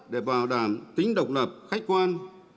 để bảo đảm tính độc lập khách quan